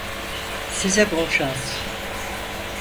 Size bol şans.